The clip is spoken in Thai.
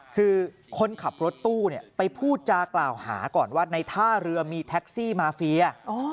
คือคนขับรถตู้ไปพูดจากล่าวหาก่อนว่าในท่าเรือมีแท็กซี่มาเฟีย